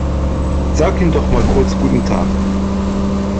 Sag ihm doch mal kurz guten Tag.